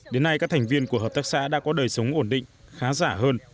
đến nay các thành viên của hợp tác xã đã có đời sống ổn định khá giả hơn